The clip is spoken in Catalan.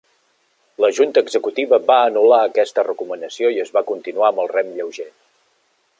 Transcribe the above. La Junta Executiva va "anul·lar" aquesta recomanació i es va continuar amb el rem lleuger.